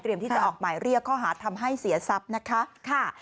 ที่จะออกหมายเรียกข้อหาทำให้เสียทรัพย์นะคะ